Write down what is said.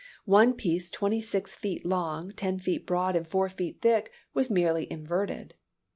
One piece twenty six feet long, ten feet broad, and four feet thick, was merely inverted.